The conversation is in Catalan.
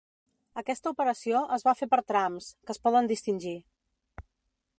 Aquesta operació es va fer per trams, que es poden distingir.